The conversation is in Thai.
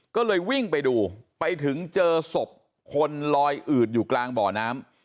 ก็เลยวิ่งไปดูไปถึงเจอศพคนลอยอืดอยู่กลางบ่อน้ำ